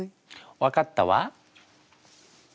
分かったわ。